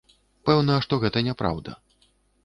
Пэўна, што гэта няпраўда.